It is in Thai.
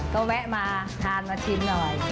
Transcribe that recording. ก็แวะมาทานมาชิมหน่อย